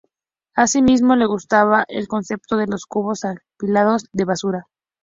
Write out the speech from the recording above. Asimismo, le gustaba el concepto de los cubos apilados de basura.